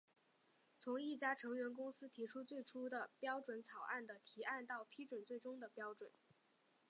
从一家成员公司提出最初的标准草案的提案到批准最终的标准。